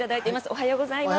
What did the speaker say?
おはようございます。